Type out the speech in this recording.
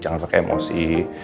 jangan pakai emosi